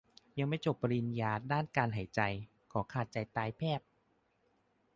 ยังไม่จบปริญญาด้านการหายใจ ขอขาดใจตายแพพ